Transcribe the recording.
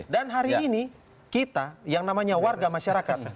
dan hari ini kita yang namanya warga masyarakat